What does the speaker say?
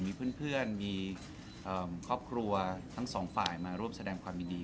มีเพื่อนมีครอบครัวทั้งสองฝ่ายมาร่วมแสดงความยินดี